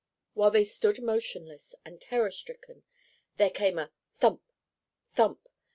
While they stood motionless and terror stricken there came a thump!—thump!